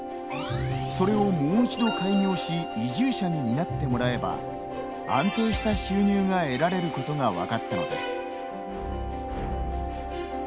それをもう一度開業し移住者に担ってもらえば安定した収入が得られることが分かったのです。